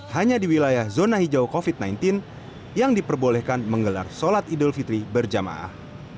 hanya di wilayah zona hijau covid sembilan belas yang diperbolehkan menggelar sholat idul fitri berjamaah